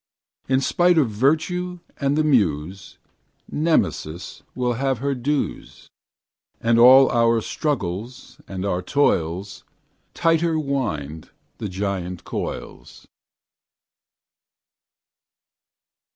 In spite of Virtue and the Muse, Nemesis will have her dues, And all our struggles and our toils Tighter wind the giant coils.